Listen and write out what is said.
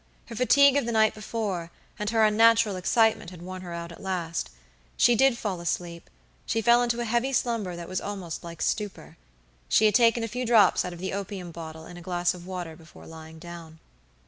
Her fatigue of the night before, and her unnatural excitement, had worn her out at last. She did fall asleep; she fell into a heavy slumber that was almost like stupor. She had taken a few drops out of the opium bottle in a glass of water before lying down.